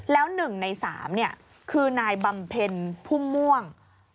แล้ว๑ใน๓คือนายบำเพ็ญพุ่มม่วง